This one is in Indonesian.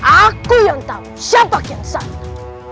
aku yang tahu siapa kian sana